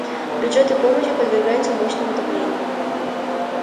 Бюджеты помощи подвергаются мощному давлению.